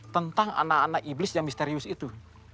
tentang anak anak iblis yang misterius itu